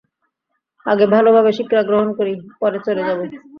আগে ভালোভাবে শিক্ষা গ্রহণ করি, পরে চলে যাবো।